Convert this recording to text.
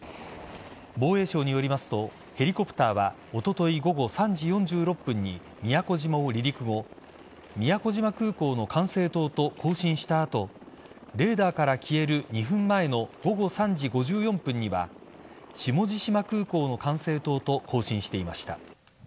防衛省によりますとヘリコプターはおととい午後３時４６分に宮古島を離陸後宮古島空港の管制塔と交信した後レーダーから消える２分前の午後３時５４分には下地島空港の管制塔と交信していました。